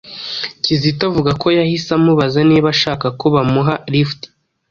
Kizito avuga ko yahise amubaza niba ashaka ko bamuha "lift"